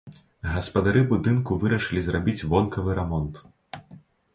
Гаспадары будынку вырашылі зрабіць вонкавы рамонт.